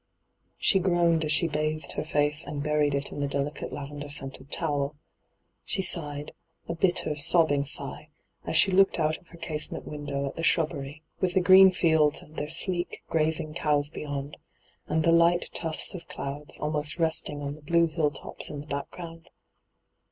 She groaned as she bathed her face and buried it in the delicate lavender scented towel. She sighed — a bitter, sobbing sigh — as she looked out of her casement window at the shrubbery, with the green fields and their sleek, grazing cows beyond, and the light tufts of clouds almost resting on the blue hill tops in the background.